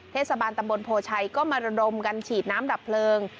เทศบาลตำบลโพชัยก็มาระดมกันฉีดน้ำดับเพลิง